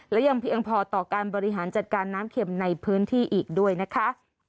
และยังเพียงพอต่อการบริหารจัดการน้ำเข็มในพื้นที่อีกด้วยนะคะ